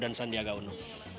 dan sandiaga uno